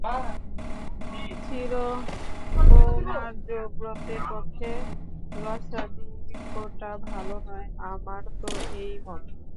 চিরকৌমার্যব্রতের পক্ষে রসাধিক্যটা ভালো নয় আমার তো এই মত।